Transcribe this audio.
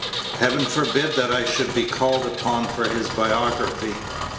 Heaven forbid that I should be called upon for his biography.